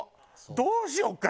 どうしようか？